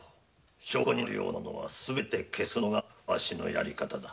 証拠になる物はすべて消すのがわしのやり方だ。